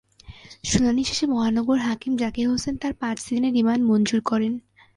শুনানি শেষে মহানগর হাকিম জাকির হোসেন তাঁর পাঁচ দিনের রিমান্ড মঞ্জুর করেন।